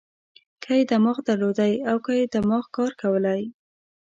که یې دماغ درلودای او که یې دماغ کار کولای.